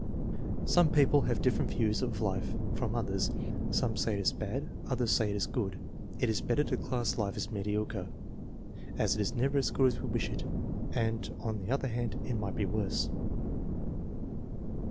"Some people have different views of life from others. Some say it is bad, others say it is good. It is better to class life as SUPERIOR ADULT, 4 343 mediocre, as it is never as good as we wish it, and on the other hand, it might be worse."